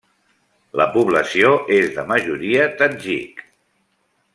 La població és de majoria tadjik.